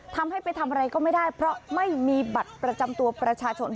ทำให้ไปทำอะไรก็ไม่ได้เพราะไม่มีบัตรประจำตัวประชาชน